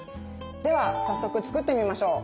では早速作ってみましょう！